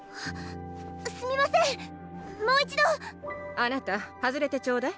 あなた外れてちょうだい。